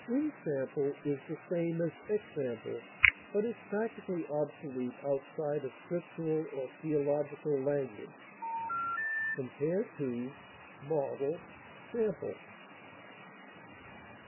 Ensample is the same as example, but is practically obsolete outside of Scriptural or theological language. Compare MODEL; SAMPLE.